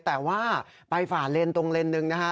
แต่ว่าไปฝ่าเลนตรงเลนส์หนึ่งนะฮะ